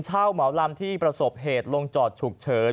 เหมาลำที่ประสบเหตุลงจอดฉุกเฉิน